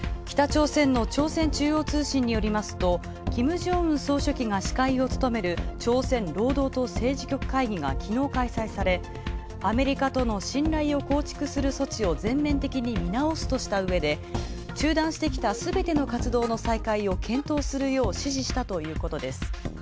北朝鮮の朝鮮中央通信によりますと、金正恩総書記が司会を務める、朝鮮労働党政治局会議がきのう開催され、アメリカとの信頼を構築する措置を全面的に見直すとしたうえで、中断してきたすべての活動の再開を検討するようい指示したということです。